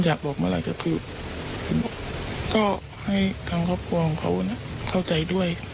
อยากบอกเหมือนไรคือก็ให้ควับกลัวของเขาเนี่ยเข้าใจด้วย